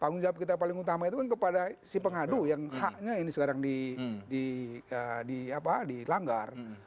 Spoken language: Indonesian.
tanggung jawab kita paling utama itu kan kepada si pengadu yang haknya ini sekarang dilanggar